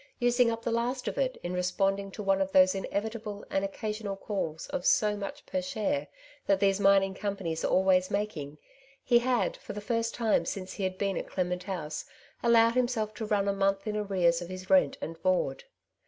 using up the iasi of ii ia:: rec?;jondjLLi^' ic one o: tiiost ineviiabie <iitd occi^ ^ 126 " Two Sides to every Question'^ sional calls of so mucli per share that these mining companies are always making, he had, for the first time since he had been at Clement House allowed himself to run a month in arrears of his rent and board.